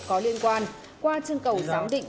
có liên quan qua chân cầu giám định